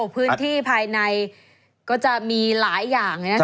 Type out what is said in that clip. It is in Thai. พื้นที่ภายในก็จะมีหลายอย่าง